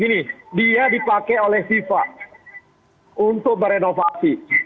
gini dia dipakai oleh siva untuk berenovasi